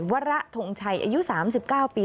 วระทงชัยอายุ๓๙ปี